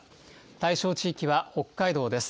対象地域は北海道です。